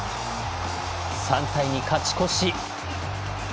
３対２、勝ち越し。